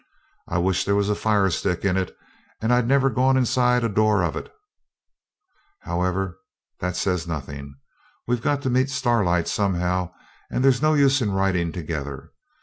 I wish there was a fire stick in it, and I'd never gone inside a door of it. However, that says nothing. We've got to meet Starlight somehow, and there's no use in riding in together.